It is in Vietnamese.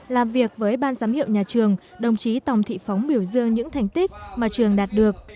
làm việc với ban giám hiệu nhà trường đồng chí tòng thị phóng biểu dương những thành tích mà trường đạt được